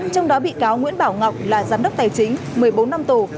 trong đó bị cáo nguyễn bảo ngọc là giám đốc tài chính một mươi bốn năm tù